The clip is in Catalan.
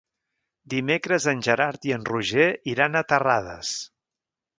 Dimecres en Gerard i en Roger iran a Terrades.